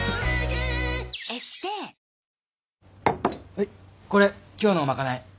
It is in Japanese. はいこれ今日の賄い。